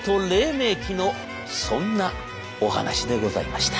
明期のそんなお話でございました。